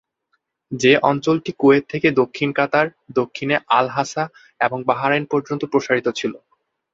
যে অঞ্চলটি কুয়েত থেকে দক্ষিণ-কাতার, দক্ষিণে আল-হাসা, এবং বাহরাইন পর্যন্ত প্রসারিত ছিল।